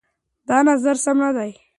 دا نظر سم نه دی.